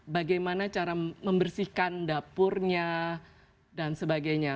bagaimana cara membersihkan dapurnya dan sebagainya